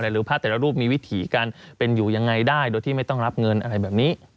หรือพระแต่ละรูปมีวิถีการเป็นอยู่ยังไงได้โดยที่ไม่ต้องรับเงินอะไรแบบนี้